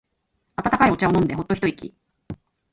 温かいお茶を飲んでホッと一息。